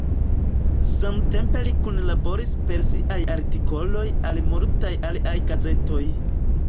Samtempe li kunlaboris per siaj artikoloj al multaj aliaj gazetoj.